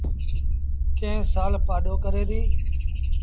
ڪݩهݩ سآل پآڏو ڪري ديٚ۔